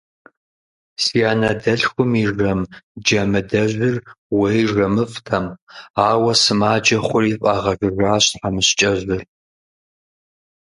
Си анэдэлъхум и жэм Джамыдэжьыр уей жэмыфӏтэм, ауэ сымаджэ хъури фӏагъэжыжащ тхьэмыщкӏэжьыр.